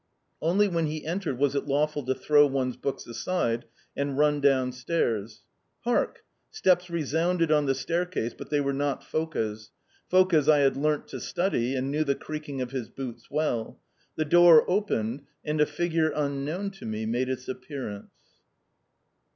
Only when he entered was it lawful to throw one's books aside and run downstairs. Hark! Steps resounded on the staircase, but they were not Foka's. Foka's I had learnt to study, and knew the creaking of his boots well. The door opened, and a figure unknown to me made its appearance.